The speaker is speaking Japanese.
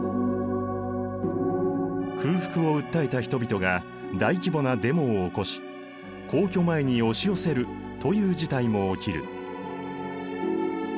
空腹を訴えた人々が大規模なデモを起こし皇居前に押し寄せるという事態も起きる。